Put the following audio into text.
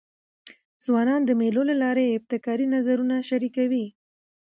ځوانان د مېلو له لاري ابتکاري نظرونه شریکوي.